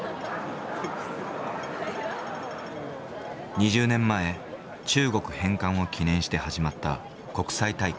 ２０年前中国返還を記念して始まった国際大会。